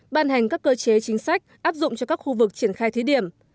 ban hành các cơ chế chính sách áp dụng cho các khu vực triển khai thí điểm